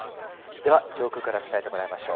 では上空から伝えてもらいましょう。